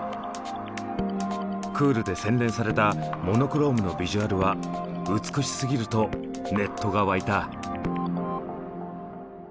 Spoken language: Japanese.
クールで洗練されたモノクロームのビジュアルは「美しすぎる」とネットが沸いた。